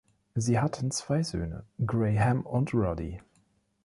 Sie hatten zwei Söhne, Graham und Roddy.